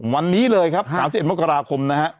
วันนี้เลยครับ๓๑มกราคมนะฮะ